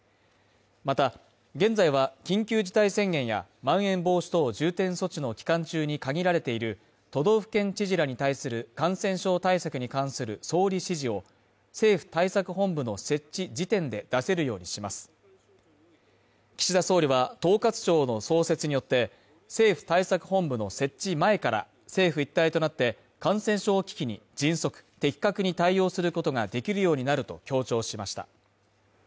また、現在は緊急事態宣言やまん延防止等重点措置の期間中に限られている都道府県知事らに対する感染症対策に関する総理指示を政府対策本部の設置時点で出せるようにします岸田総理は統括庁の創設によって、政府対策本部の設置前から政府一体となって感染症危機に迅速的確に対応することができるようになると強調しました。